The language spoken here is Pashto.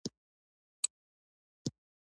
حکمت د مومن ورک شوی مال دی.